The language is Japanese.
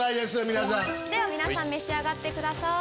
皆さん召し上がってください。